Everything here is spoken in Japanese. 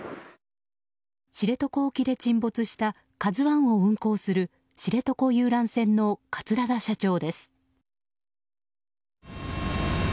知床沖で沈没した「ＫＡＺＵ１」を運航する知床遊覧船の桂田社長です。